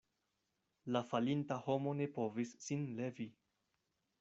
La falinta homo ne povis sin levi.